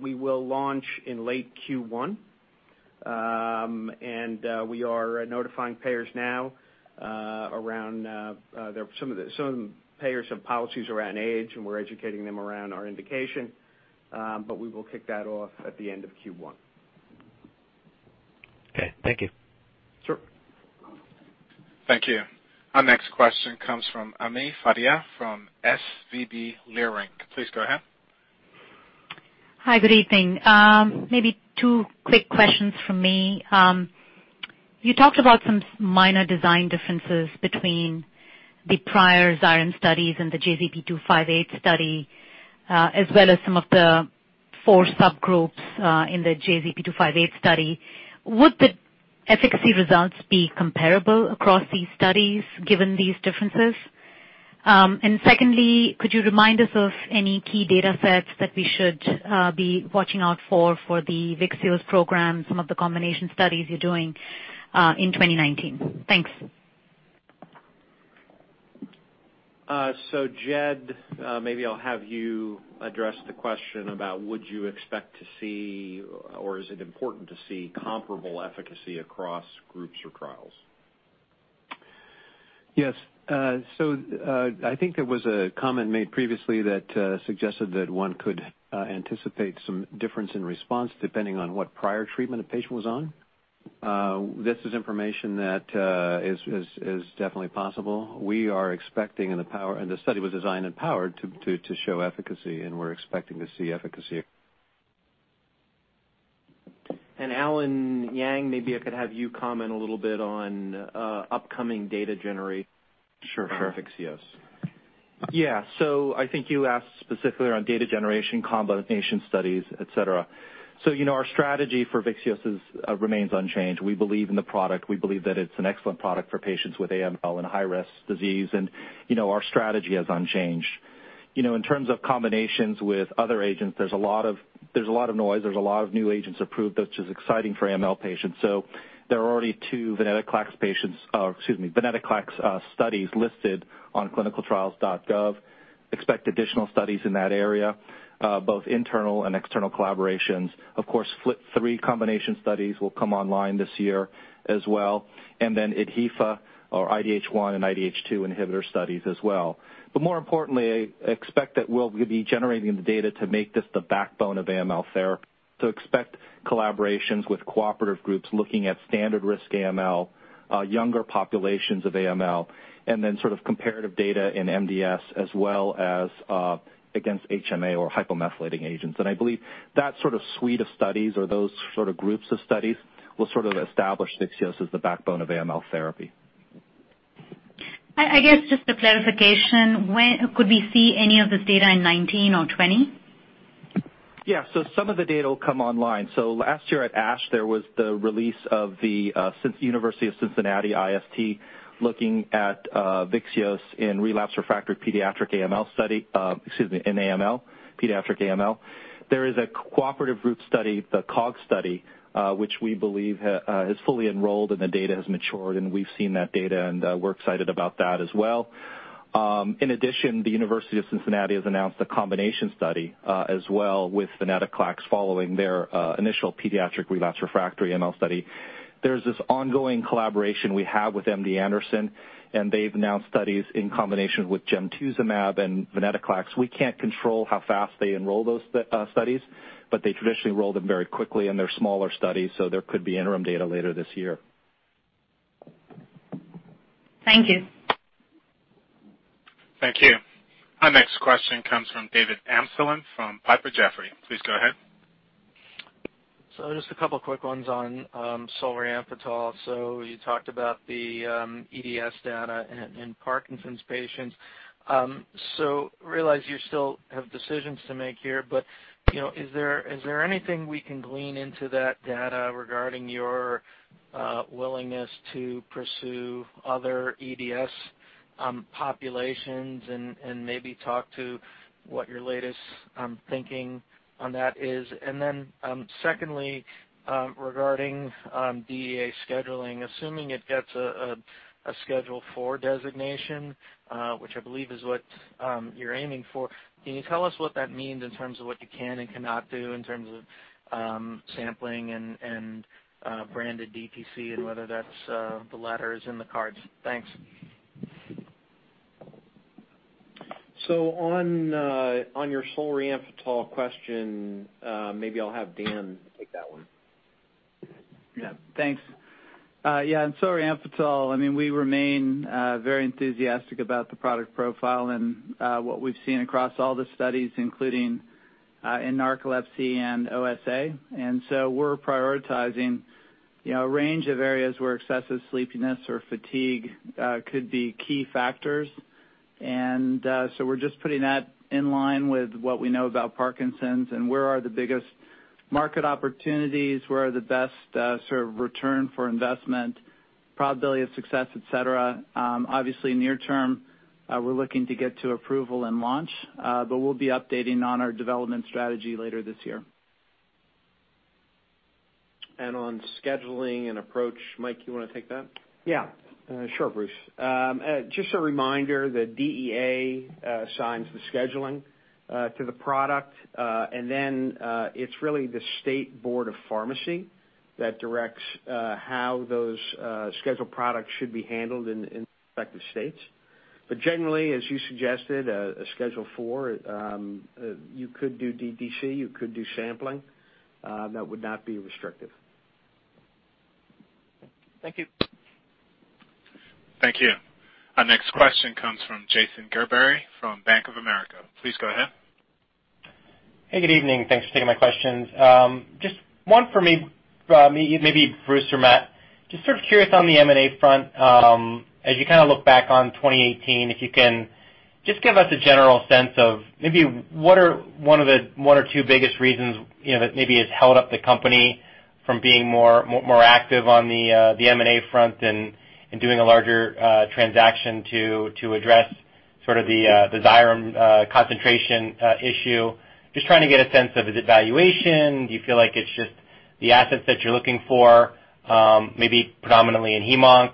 we will launch in late Q1. We are notifying payers now around some of the payers have policies around age, and we're educating them around our indication, but we will kick that off at the end of Q1. Okay. Thank you. Sure. Thank you. Our next question comes from Ami Fadia from SVB Leerink. Please go ahead. Hi, good evening. Maybe two quick questions from me. You talked about some minor design differences between the prior XYREM studies and the JZP-258 study, as well as some of the four subgroups, in the JZP-258 study. Would the efficacy results be comparable across these studies given these differences? And secondly, could you remind us of any key data sets that we should be watching out for the VYXEOS program, some of the combination studies you're doing, in 2019? Thanks. Jed, maybe I'll have you address the question about would you expect to see or is it important to see comparable efficacy across groups or trials? Yes. I think there was a comment made previously that suggested that one could anticipate some difference in response depending on what prior treatment a patient was on. This is information that is definitely possible. We are expecting, and the study was designed and powered to show efficacy, and we're expecting to see efficacy. Allen Yang, maybe I could have you comment a little bit on upcoming data generation. Sure, sure. for VYXEOS. Yeah. I think you asked specifically around data generation, combination studies, et cetera. You know, our strategy for VYXEOS is remains unchanged. We believe in the product. We believe that it's an excellent product for patients with AML and high-risk disease. You know, our strategy is unchanged. You know, in terms of combinations with other agents, there's a lot of noise, a lot of new agents approved, which is exciting for AML patients. There are already two venetoclax studies listed on ClinicalTrials.gov. Expect additional studies in that area, both internal and external collaborations. Of course, FLT3 combination studies will come online this year as well, and then IDH or IDH1 and IDH2 inhibitor studies as well. more importantly, expect that we'll be generating the data to make this the backbone of AML therapy. Expect collaborations with cooperative groups looking at standard risk AML, younger populations of AML, and then sort of comparative data in MDS as well as, against HMA or hypomethylating agents. I believe that sort of suite of studies or those sort of groups of studies will sort of establish VYXEOS as the backbone of AML therapy. I guess just a clarification. When could we see any of this data in 2019 or 2020? Yeah. Some of the data will come online. Last year at ASH, there was the release of the University of Cincinnati IST looking at VYXEOS in relapsed/refractory pediatric AML study, in AML, pediatric AML. There is a cooperative group study, the COG study, which we believe is fully enrolled and the data has matured, and we've seen that data, and we're excited about that as well. In addition, the University of Cincinnati has announced a combination study as well with venetoclax following their initial pediatric relapsed/refractory AML study. There's this ongoing collaboration we have with MD Anderson, and they've announced studies in combination with gemtuzumab and venetoclax. We can't control how fast they enroll those studies, but they traditionally roll them very quickly, and they're smaller studies, so there could be interim data later this year. Thank you. Thank you. Our next question comes from David Amsellem from Piper Jaffray. Please go ahead. Just a couple of quick ones on Solriamfetol. You talked about the EDS data in Parkinson's patients. Realize you still have decisions to make here, but you know, is there anything we can glean into that data regarding your willingness to pursue other EDS populations and maybe talk to what your latest thinking on that is? Secondly, regarding DEA scheduling, assuming it gets a Schedule IV designation, which I believe is what you're aiming for, can you tell us what that means in terms of what you can and cannot do in terms of sampling and branded DTC and whether that's the latter is in the cards? Thanks. On your Solriamfetol question, maybe I'll have Dan take that one. Yeah. Thanks. Yeah, on Solriamfetol, I mean, we remain very enthusiastic about the product profile and what we've seen across all the studies, including in narcolepsy and OSA. We're prioritizing, you know, a range of areas where excessive sleepiness or fatigue could be key factors. We're just putting that in line with what we know about Parkinson's and where are the biggest market opportunities, where are the best sort of return for investment, probability of success, et cetera. Obviously near-term, we're looking to get to approval and launch, but we'll be updating on our development strategy later this year. On scheduling and approach, Mike, you wanna take that? Yeah, sure, Bruce. Just a reminder that DEA assigns the scheduling to the product, and then it's really the State Board of Pharmacy that directs how those scheduled products should be handled in respective states. Generally, as you suggested, a schedule four, you could do DTC, you could do sampling, that would not be restrictive. Thank you. Thank you. Our next question comes from Jason Gerberry from Bank of America. Please go ahead. Hey, good evening. Thanks for taking my questions. Just one for me, maybe Bruce or Matt. Just sort of curious on the M&A front, as you kinda look back on 2018, if you can just give us a general sense of maybe what are one or two biggest reasons, you know, that maybe has held up the company from being more active on the M&A front and doing a larger transaction to address sort of the XYREM concentration issue? Just trying to get a sense of, is it valuation? Do you feel like it's just the assets that you're looking for, maybe predominantly in hem-onc,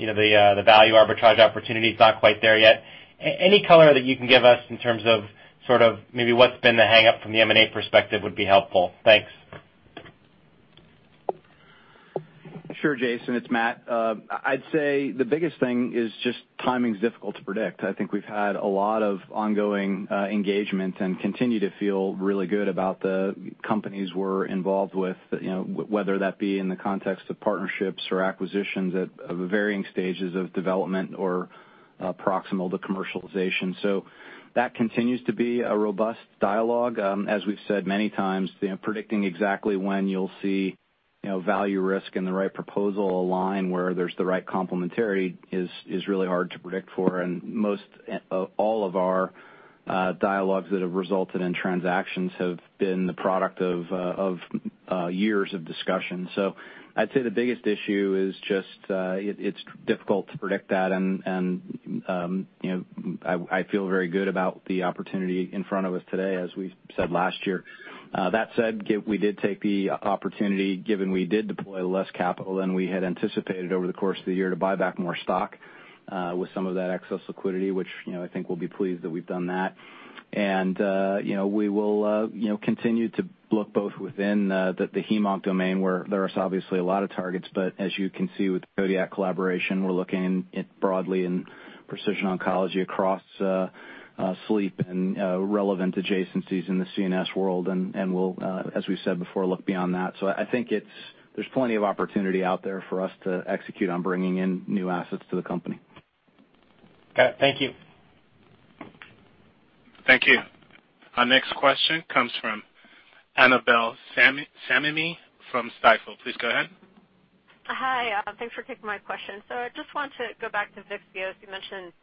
you know, the value arbitrage opportunity is not quite there yet. Any color that you can give us in terms of sort of maybe what's been the hang-up from the M&A perspective would be helpful. Thanks. Sure, Jason, it's Matt. I'd say the biggest thing is just timing's difficult to predict. I think we've had a lot of ongoing engagement and continue to feel really good about the companies we're involved with, you know, whether that be in the context of partnerships or acquisitions of varying stages of development or proximal to commercialization. That continues to be a robust dialogue. As we've said many times, you know, predicting exactly when you'll see, you know, value, risk and the right proposal align where there's the right complementarity is really hard to predict for. Most of all of our dialogues that have resulted in transactions have been the product of years of discussion. I'd say the biggest issue is just, it's difficult to predict that and, you know, I feel very good about the opportunity in front of us today, as we said last year. That said, we did take the opportunity, given we did deploy less capital than we had anticipated over the course of the year to buy back more stock, with some of that excess liquidity, which, you know, I think we'll be pleased that we've done that. You know, we will continue to look both within the hem-onc domain, where there is obviously a lot of targets, but as you can see with the Codiak collaboration, we're looking broadly in precision oncology across sleep and relevant adjacencies in the CNS world. We'll, as we said before, look beyond that. I think there's plenty of opportunity out there for us to execute on bringing in new assets to the company. Got it. Thank you. Thank you. Our next question comes from Annabel Samimy from Stifel. Please go ahead. Hi, thanks for taking my question. I just want to go back to VYXEOS. You mentioned,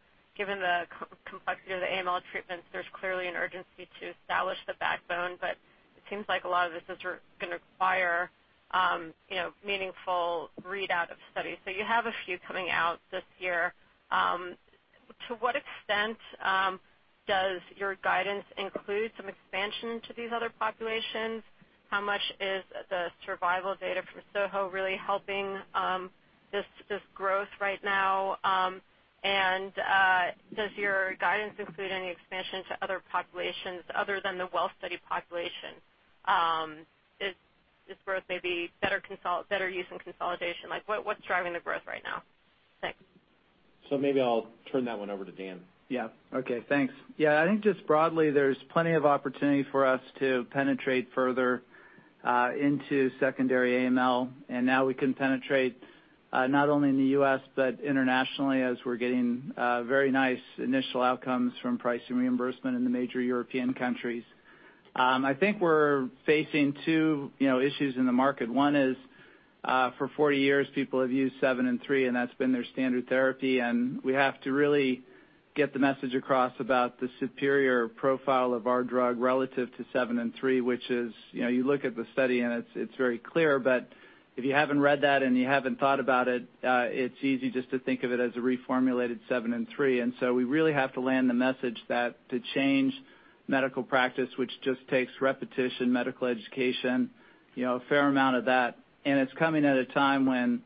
given the complexity of the AML treatments, there's clearly an urgency to establish the backbone, but it seems like a lot of this is gonna require, you know, meaningful readout of studies. You have a few coming out this year. To what extent does your guidance include some expansion to these other populations? How much is the survival data from SOHO really helping this growth right now? Does your guidance include any expansion to other populations other than the well-studied population? Is this growth maybe better use in consolidation? Like, what's driving the growth right now? Thanks. Maybe I'll turn that one over to Dan. Yeah. Okay, thanks. Yeah, I think just broadly, there's plenty of opportunity for us to penetrate further into secondary AML, and now we can penetrate not only in the U.S., but internationally as we're getting very nice initial outcomes from pricing and reimbursement in the major European countries. I think we're facing two, you know, issues in the market. One is, for 40 years, people have used 7+3, and that's been their standard therapy. We have to really get the message across about the superior profile of our drug relative to 7+3, which is, you know, you look at the study and it's very clear. If you haven't read that and you haven't thought about it's easy just to think of it as a reformulated 7+3. We really have to land the message that to change medical practice, which just takes repetition, medical education, you know, a fair amount of that, and it's coming at a time when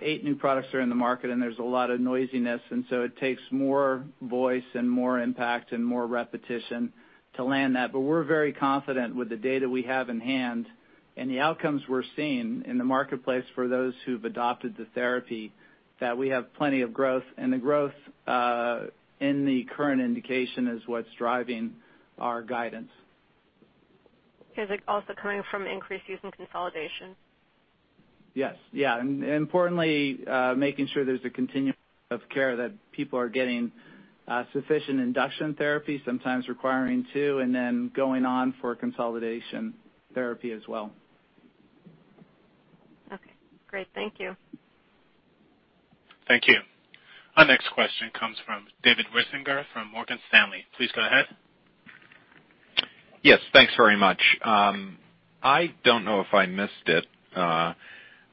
eight new products are in the market and there's a lot of noisiness. It takes more voice and more impact and more repetition to land that. We're very confident with the data we have in hand and the outcomes we're seeing in the marketplace for those who've adopted the therapy, that we have plenty of growth. The growth in the current indication is what's driving our guidance. Is it also coming from increased use in consolidation? Yes. Yeah. Importantly, making sure there's a continuum of care, that people are getting sufficient induction therapy, sometimes requiring two, and then going on for consolidation therapy as well. Okay, great. Thank you. Thank you. Our next question comes from David Risinger from Morgan Stanley. Please go ahead. Yes, thanks very much. I don't know if I missed it.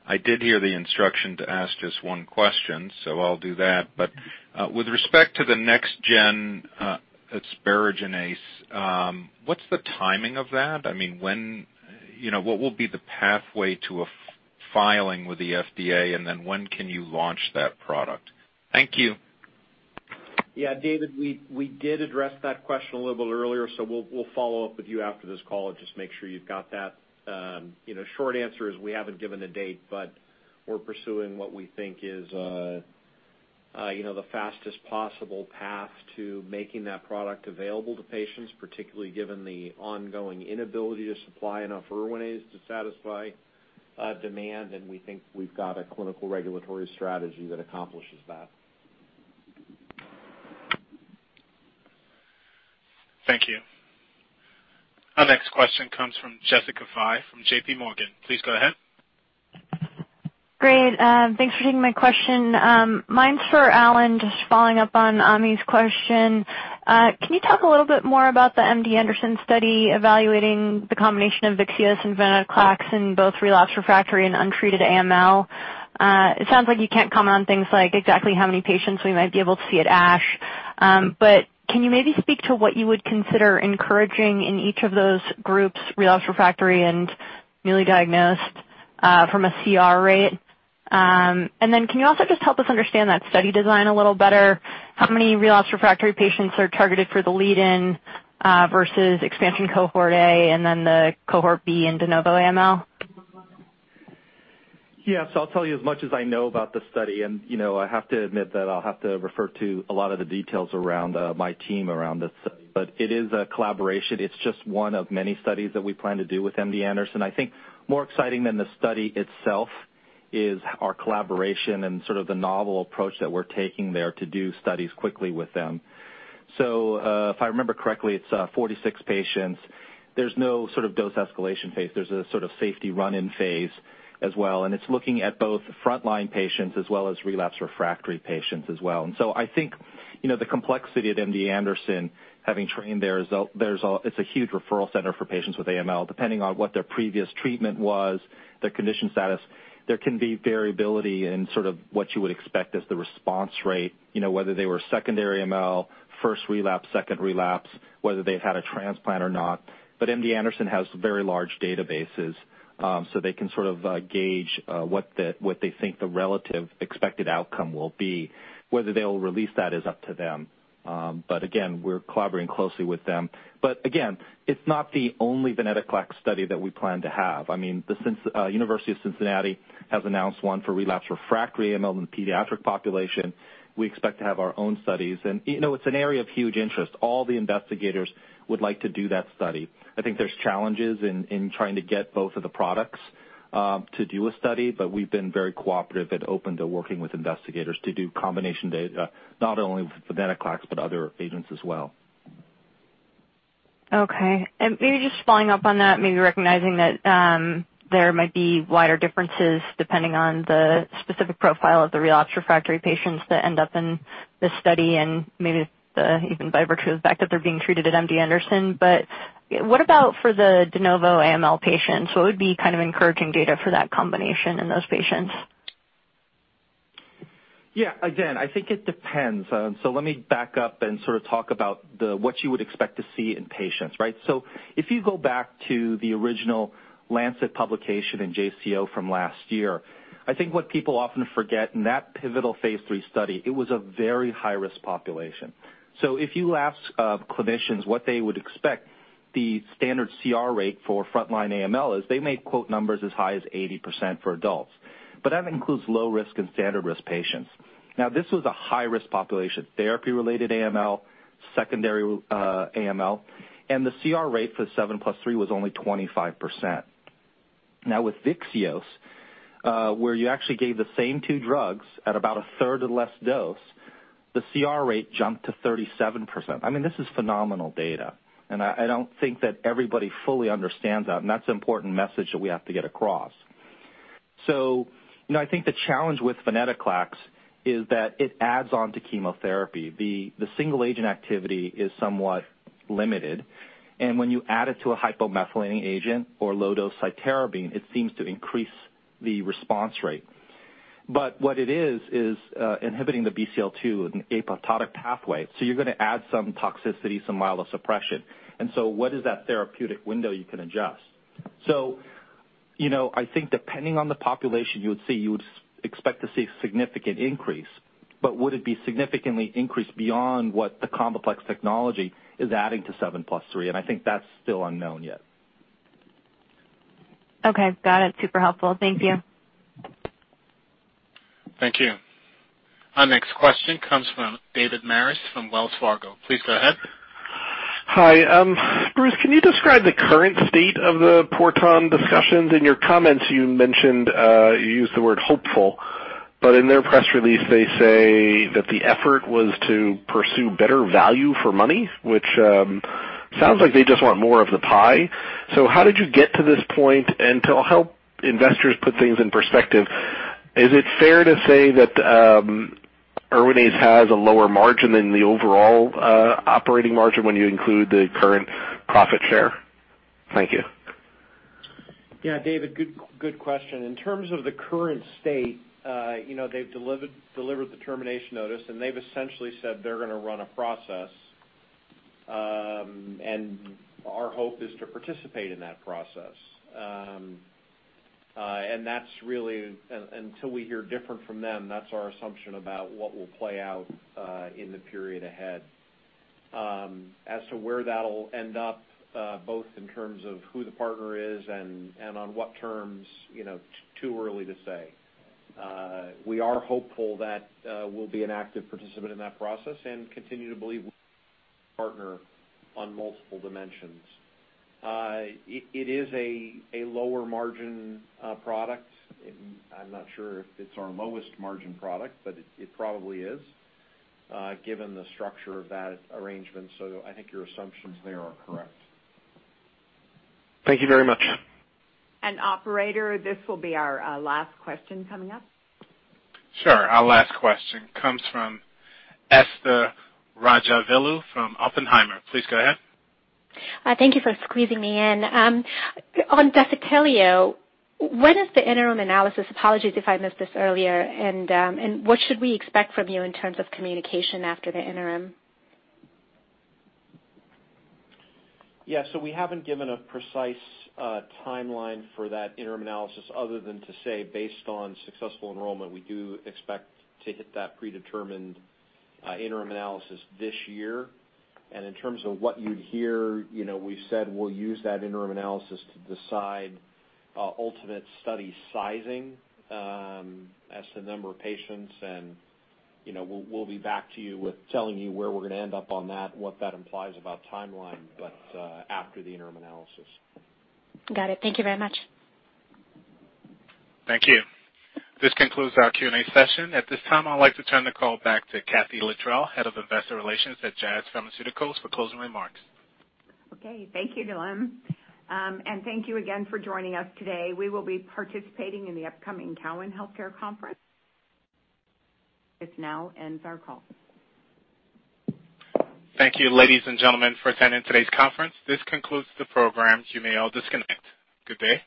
I did hear the instruction to ask just one question, so I'll do that. With respect to the next gen asparaginase, what's the timing of that? I mean, when you know, what will be the pathway to a filing with the FDA, and then when can you launch that product? Thank you. Yeah, David, we did address that question a little bit earlier, so we'll follow up with you after this call and just make sure you've got that. You know, short answer is we haven't given a date, but we're pursuing what we think is, you know, the fastest possible path to making that product available to patients, particularly given the ongoing inability to supply enough Erwinaze to satisfy demand. We think we've got a clinical regulatory strategy that accomplishes that. Thank you. Our next question comes from Jessica Fye from J.P. Morgan. Please go ahead. Great. Thanks for taking my question. Mine's for Allen. Just following up on Ami's question. Can you talk a little bit more about the MD Anderson study evaluating the combination of VYXEOS and venetoclax in both relapse refractory and untreated AML? It sounds like you can't comment on things like exactly how many patients we might be able to see at ASH. But can you maybe speak to what you would consider encouraging in each of those groups, relapse refractory and newly diagnosed, from a CR rate? And then can you also just help us understand that study design a little better? How many relapse refractory patients are targeted for the lead-in, versus expansion cohort A and then the cohort B in de novo AML? Yeah. I'll tell you as much as I know about the study, and, you know, I have to admit that I'll have to refer to a lot of the details around my team around this. But it is a collaboration. It's just one of many studies that we plan to do with MD Anderson. I think more exciting than the study itself is our collaboration and sort of the novel approach that we're taking there to do studies quickly with them. If I remember correctly, it's 46 patients. There's no sort of dose escalation phase. There's a sort of safety run-in phase as well, and it's looking at both frontline patients as well as relapse refractory patients as well. I think, you know, the complexity at MD Anderson, having trained there, is it's a huge referral center for patients with AML. Depending on what their previous treatment was, their condition status, there can be variability in sort of what you would expect as the response rate, you know, whether they were secondary AML, first relapse, second relapse, whether they've had a transplant or not. MD Anderson has very large databases, so they can sort of gauge what they think the relative expected outcome will be. Whether they'll release that is up to them. Again, we're collaborating closely with them. Again, it's not the only venetoclax study that we plan to have. I mean, the University of Cincinnati has announced one for relapse refractory AML in the pediatric population. We expect to have our own studies, and, you know, it's an area of huge interest. All the investigators would like to do that study. I think there's challenges in trying to get both of the products to do a study, but we've been very cooperative and open to working with investigators to do combination data, not only with venetoclax, but other agents as well. Okay. Maybe just following up on that, maybe recognizing that, there might be wider differences depending on the specific profile of the relapsed refractory patients that end up in this study and maybe the, even by virtue of the fact that they're being treated at MD Anderson. What about for the de novo AML patients? What would be kind of encouraging data for that combination in those patients? Yeah. Again, I think it depends. Let me back up and sort of talk about the, what you would expect to see in patients, right? If you go back to the original Lancet publication in JCO from last year, I think what people often forget, in that pivotal phase III study, it was a very high-risk population. If you ask, clinicians what they would expect the standard CR rate for frontline AML is, they may quote numbers as high as 80% for adults. That includes low risk and standard risk patients. Now, this was a high risk population, therapy-related AML, secondary, AML, and the CR rate for 7+3 was only 25%. Now, with VYXEOS, where you actually gave the same two drugs at about a third or less dose, the CR rate jumped to 37%. I mean, this is phenomenal data, and I don't think that everybody fully understands that, and that's an important message that we have to get across. You know, I think the challenge with venetoclax is that it adds on to chemotherapy. The single agent activity is somewhat limited, and when you add it to a hypomethylating agent or low-dose cytarabine, it seems to increase the response rate. But what it is inhibiting the BCL-2 in apoptotic pathway, so you're gonna add some toxicity, some myelosuppression. What is that therapeutic window you can adjust? You know, I think depending on the population, you would see, you would expect to see significant increase, but would it be significantly increased beyond what the CombiPlex technology is adding to 7+3? I think that's still unknown yet. Okay. Got it. Super helpful. Thank you. Thank you. Our next question comes from David Maris from Wells Fargo. Please go ahead. Hi. Bruce, can you describe the current state of the Porton discussions? In your comments, you mentioned you used the word hopeful, but in their press release, they say that the effort was to pursue better value for money, which sounds like they just want more of the pie. How did you get to this point? To help investors put things in perspective. Is it fair to say that Erwinaze has a lower margin than the overall operating margin when you include the current profit share? Thank you. Yeah, David, good question. In terms of the current state, they've delivered the termination notice, and they've essentially said they're gonna run a process. Our hope is to participate in that process. Until we hear different from them, that's our assumption about what will play out in the period ahead. As to where that'll end up, both in terms of who the partner is and on what terms, you know, too early to say. We are hopeful that we'll be an active participant in that process and continue to believe partner on multiple dimensions. It is a lower margin product. I'm not sure if it's our lowest margin product, but it probably is, given the structure of that arrangement. I think your assumptions there are correct. Thank you very much. Operator, this will be our last question coming up. Sure. Our last question comes from Esther Rajavelu from Oppenheimer. Please go ahead. Thank you for squeezing me in. On Defitelio, when is the interim analysis? Apologies if I missed this earlier. What should we expect from you in terms of communication after the interim? Yeah, we haven't given a precise timeline for that interim analysis other than to say, based on successful enrollment, we do expect to hit that predetermined interim analysis this year. In terms of what you'd hear, you know, we said we'll use that interim analysis to decide ultimate study sizing as to number of patients. You know, we'll be back to you with telling you where we're gonna end up on that and what that implies about timeline, but after the interim analysis. Got it. Thank you very much. Thank you. This concludes our Q&A session. At this time, I'd like to turn the call back to Kathee Littrell, Head of Investor Relations at Jazz Pharmaceuticals, for closing remarks. Okay, thank you, Dylan. Thank you again for joining us today. We will be participating in the upcoming TD Cowen Healthcare Conference. This now ends our call. Thank you, ladies and gentlemen, for attending today's conference. This concludes the program. You may all disconnect. Good day.